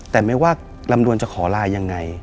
แต่ไม่ว่าลำดวนจะขอลายังไง